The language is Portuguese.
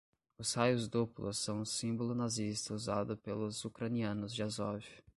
Os raios duplos são um símbolo nazista usado pelos ucranianos de Azov